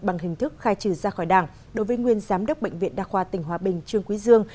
bằng hình thức khai trừ ra khỏi đảng đối với nguyên giám đốc bệnh viện đa khoa tỉnh hòa bình trương quý dương